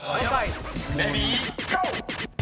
［レディーゴー！］